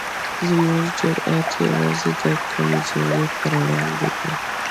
زموږ جرئت یوازې د کمزورو پر وړاندې دی.